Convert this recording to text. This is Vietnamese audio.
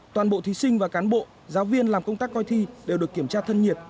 toàn bộ thí sinh và cán bộ giáo viên làm công tác coi thi đều được kiểm tra thân nhiệt